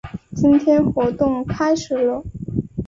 今天活动开始啰！